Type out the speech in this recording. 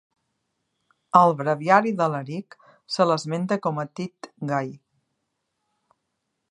Al Breviari d'Alaric se l'esmenta com a Tit Gai.